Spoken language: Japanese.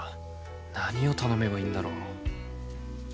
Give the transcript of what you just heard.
何を頼めばいいんだろう？